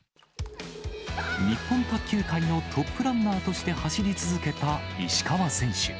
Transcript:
日本卓球界のトップランナーとして走り続けた石川選手。